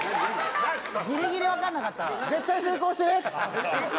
ギリギリ分かんなかった絶対成功してね！